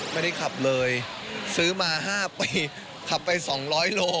ไม่ได้ขับเลยซื้อมา๕ปีขับไป๒๐๐โล